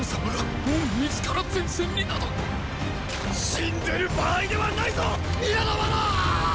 死んでる場合ではないぞ皆の者ォォ！！